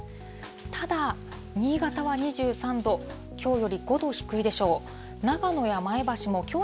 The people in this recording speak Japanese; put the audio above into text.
ただ、新潟は２３度、きょうより５度低いでしょう。